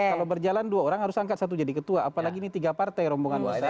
kalau berjalan dua orang harus angkat satu jadi ketua apalagi ini tiga partai rombongan wasit